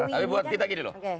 tapi buat kita gini loh